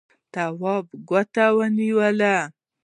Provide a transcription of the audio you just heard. تواب ګوته ونيوله.